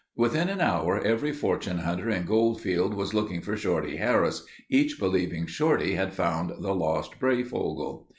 Within an hour every fortune hunter in Goldfield was looking for Shorty Harris, each believing Shorty had found the Lost Breyfogle.